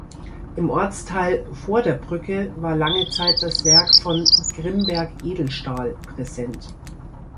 Im Ortsteil "Vor der Brücke" war lange Zeit das Werk von "Grimberg Edelstahl" präsent.